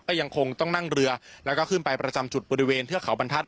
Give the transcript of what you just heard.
ยังคงต้องนั่งเรือแล้วก็ขึ้นไปประจำจุดบริเวณเทือกเขาบรรทัศ